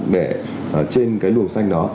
để trên cái luồng xanh đó